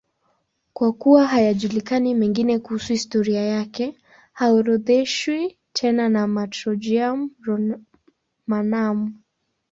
Kwa kuwa hayajulikani mengine kuhusu historia yake, haorodheshwi tena na Martyrologium Romanum.